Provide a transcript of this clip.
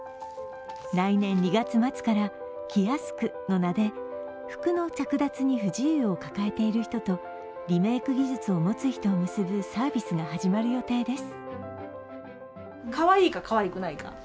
来年２月末から「キヤスク」の名で服の着脱に不自由を抱えている人と、リメーク技術を持つ人を結ぶサービスが始まる予定です。